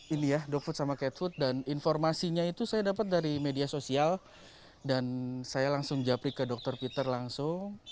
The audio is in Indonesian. pertama ini ya dog food sama cat food dan informasinya itu saya dapat dari media sosial dan saya langsung japrik ke dr peter langsung